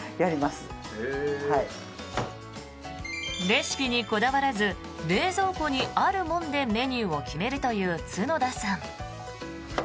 レシピにこだわらず冷蔵庫にあるもんでメニューを決めるという角田さん。